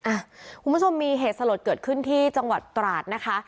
คุณผู้ชมมีเหตุสลดเกิดขึ้นที่จังหวัดตราดนะคะ